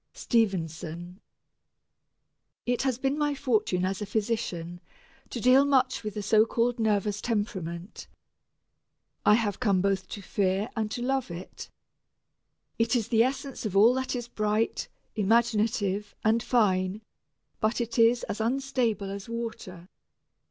STEVENSON. It has been my fortune as a physician to deal much with the so called nervous temperament. I have come both to fear and to love it. It is the essence of all that is bright, imaginative, and fine, but it is as unstable as water.